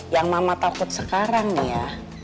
yang mama takut sekarang ya